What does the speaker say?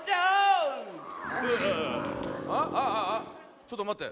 ちょっとまって。